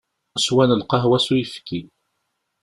Swan lqahwa s uyefki.